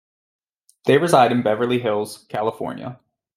They reside in Beverly Hills, California.